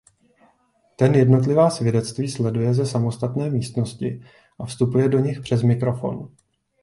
Ten jednotlivá svědectví sleduje ze samostatné místnosti a vstupuje do nich přes mikrofon.